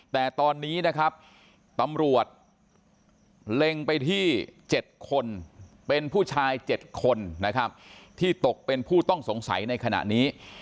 แต่ตอนนี้นะครับตำรวจเล็งไปที่๗คนเป็นผู้ชาย๗คนนะครับที่ตกเป็นผู้ต้องสงสัยในขณะนี้